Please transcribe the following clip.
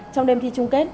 trong đêm thi chung kết